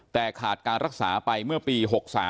แต่ขาดการรักษาไปเมื่อปี๖๓